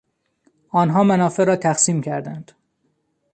آنها منافع را تقسیم کردند.